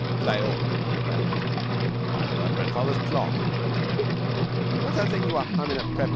"Stale," said Aladdin. "Might as well have 'Grandfather's Clock.' What's that thing you were humming at prep.